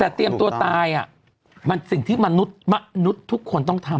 แต่เตรียมตัวตายมันสิ่งที่มนุษย์มนุษย์ทุกคนต้องทำ